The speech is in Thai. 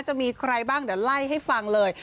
จะมีใครบ้างเดี๋ยวไล่ให้ฟังเลย